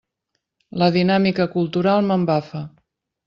La dinàmica cultural m'embafa.